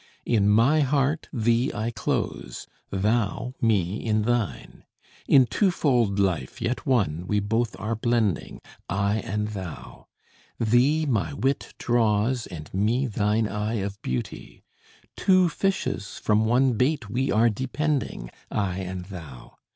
In my heart thee I close thou me in thine; In twofold life, yet one, we both are blending, I and thou! Thee my wit draws and me thine eye of beauty; Two fishes, from one bait we are depending, I and thou!